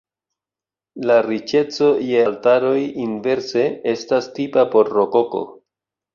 La riĉeco je altaroj inverse estas tipa por rokoko.